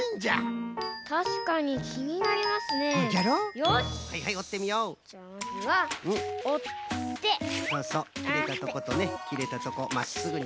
きれたとことねきれたとこまっすぐに。